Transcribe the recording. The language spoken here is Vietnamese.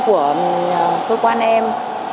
của cơ quan em